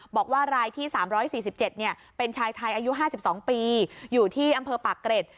บอกว่ารายที่๓๔๗เป็นชายไทยอายุ๕๒ปีอยู่ที่อำเภอปากเกร็ด